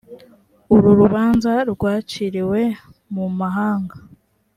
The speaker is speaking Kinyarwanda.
uru rubanza rwaciriwe mu mahanga